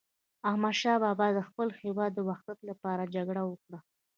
احمد شاه بابا د خپل هیواد د وحدت لپاره جګړه وکړه.